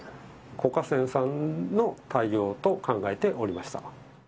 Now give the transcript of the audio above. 子家センさんの対応と考えておりました。